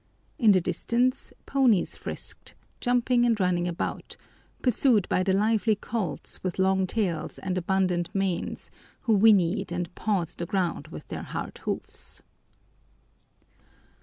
In the distance ponies frisked, jumping and running about, pursued by the lively colts with long tails and abundant manes who whinnied and pawed the ground with their hard hoofs.